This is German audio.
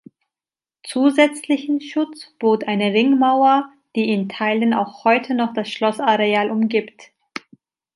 Zusätzlichen Schutz bot eine Ringmauer, die in Teilen auch heute noch das Schlossareal umgibt.